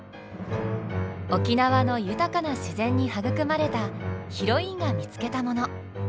沖縄の豊かな自然に育まれたヒロインが見つけたもの。